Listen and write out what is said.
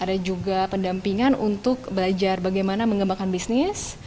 ada juga pendampingan untuk belajar bagaimana menggunakan komputer